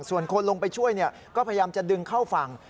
ส่วนคนลงไปช่วยก็พยายามจะดึงเข้าฝั่ง